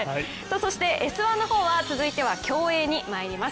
そして「Ｓ☆１」は続いて競泳にまいります。